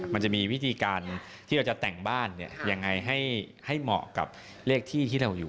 มันจะมีวิธีการที่เราจะแต่งบ้านยังไงให้เหมาะกับเลขที่ที่เราอยู่